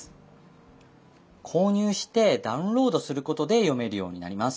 購入してダウンロードすることで読めるようになります。